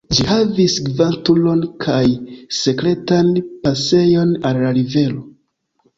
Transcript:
Ĝi havis gvat-turon kaj sekretan pasejon al la rivero.